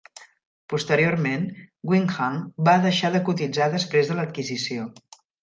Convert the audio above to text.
Posteriorment, Wing Hang va deixar de cotitzar després de l'adquisició.